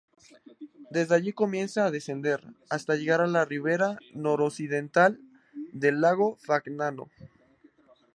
Desde allí comienza a descender, hasta llegar a la ribera noroccidental del lago Fagnano.